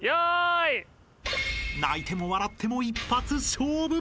［泣いても笑っても一発勝負！］